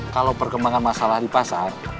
kalau perkembangan masalah di pasar